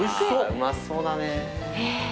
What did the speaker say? うまそうだねぇ。